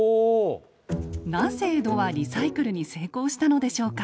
なぜ江戸はリサイクルに成功したのでしょうか？